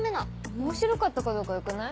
面白かったかどうかはよくない？